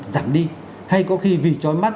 giảm đi hay có khi vì trói mắt